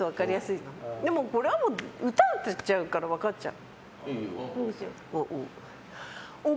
これはもう、歌を歌っちゃうから分かっちゃう。